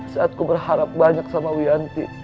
saat gua berharap banyak sama wianti